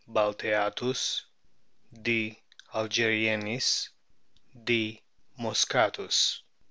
balteatus, D. algerienis, D. mosckatus.